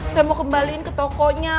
saya mau kembaliin ke tokonya